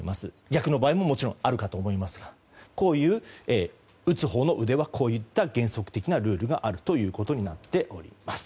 逆の場合ももちろんあるかと思いますが打つほうの腕はこういった原則的なルールがあるということになっております。